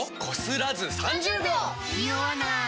ニオわない！